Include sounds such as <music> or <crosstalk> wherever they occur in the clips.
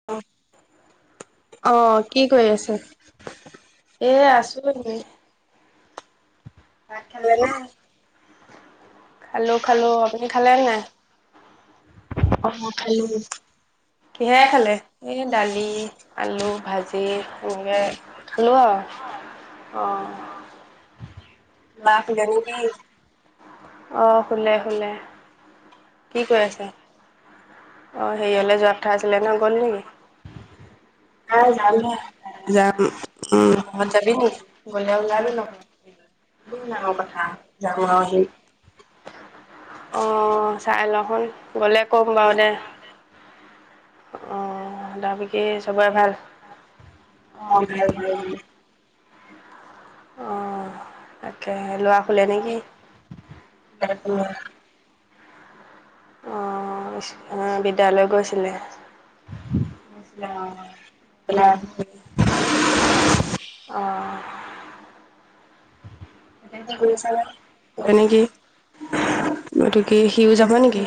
<inaudible> অ, কি কৰি আছা? এ, আছো এনেই। ভাত, খালে নে? খালো, খালো আপুনি খালে নে নাই? অ, মই খালো। কিহে খালে? এই দালি, আলু ভাজি, এনেকৈ খালোঁ আৰু। অ, বা, ল'ৰা শুলে নে? নেকি? অ, শুলে-শুলে কি কৈ আছে? অ, হেৰিলৈ যোৱা কথা আছিলে ন, গলি নেকি? নাই যাম হে। যাম, উম তহঁত যাবি নেকি গলে, ওলাবি নহ কোন, আৰু ডাঙৰ কথা, যাম জানো আৰু আকৌ। আহিম। অ, চাই ল, শুন গ'লে কম বাৰু দে। অ, ডাবি কি চবেই ভাল? অ, ভাল, ভাল। অ, তাকে, হে। <unintelligible> অ, বিদ্যালয় গৈছিলে? গৈছিলে, অ, <inaudible> অ, <inaudible> গতিকে, সিও যাব নেকি?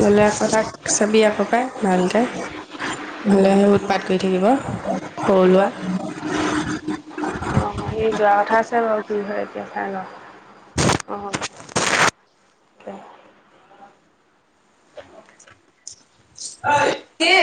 গলে, আকৌ তাক চবি আকৌ পাই ভালকে। গলে, উৎপাত কৰি থাকিব, সৰু ল'ৰা। অ, সি যোৱা কথা আছে, বাৰু কি হয় এতিয়া চাই লওঁ। অ, অই, কি?